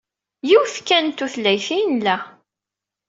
Yiwet kan n tutlayt ay nla.